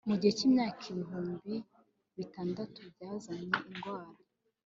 mu gihe cyimyaka ibihumbi bitandatu byazanye indwara